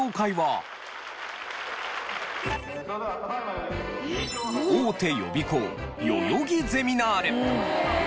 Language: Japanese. さらに大手予備校代々木ゼミナール。